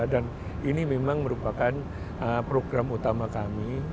dan ini memang merupakan program utama kami